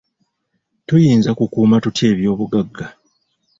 Tuyinza kukuuma tutya ebyobugagga?